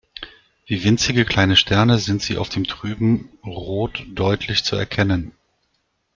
Wie winzige kleine Sterne sind sie auf dem trüben Rot deutlich zu erkennen.